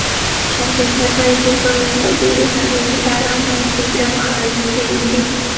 产品待办事项列表根据产品和开发环境的变化而演进。